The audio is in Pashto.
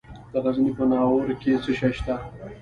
د غزني په ناوور کې څه شی شته؟